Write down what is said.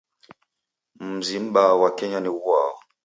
Mzi m'baa ghwa Kenya ni ghuao?